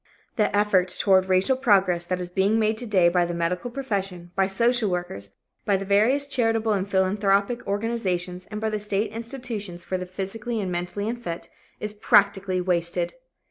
The effort toward racial progress that is being made to day by the medical profession, by social workers, by the various charitable and philanthropic organizations and by state institutions for the physically and mentally unfit, is practically wasted.